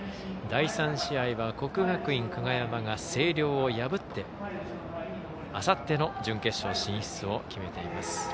第３試合は国学院久我山が星稜を破って、あさっての準決勝進出を決めています。